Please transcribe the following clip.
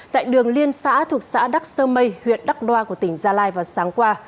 tại đường liên xã thuộc xã đắc sơ mây huyện đắc đoa của tỉnh gia lai vào sáng qua